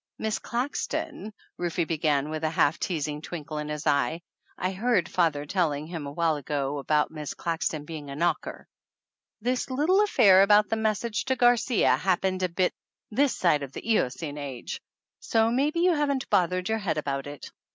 "Miss Claxton," Rufe began with a half teas ing twinkle in his eyes (I had heard father tell ing him a while ago about Miss Claxton being a knocker), "this little affair about the message to Garcia happened a bit this side of the Eocene age, so maybe you haven't bothered your head about it.